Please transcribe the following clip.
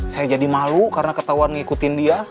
saya jadi malu karena ketahuan ngikutin dia